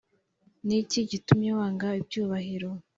niki gitumye wanga ibyubahiro"